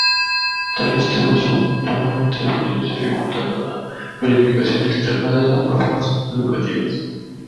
Tales temas son vagamente definidos, dificultando la verificación externa de las normas educativas.